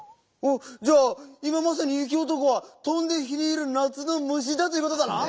おっじゃあいままさにゆきおとこは「とんで火にいるなつのむし」だということだな！